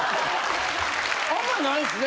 あんまりないですね。